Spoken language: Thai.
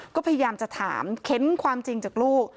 ก็พยายามจะถามเค้นความจริงจากลูก